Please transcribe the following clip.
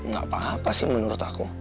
gak apa apa sih menurut aku